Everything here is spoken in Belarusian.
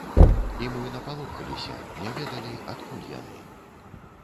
І мы напалохаліся, не ведалі, адкуль яны.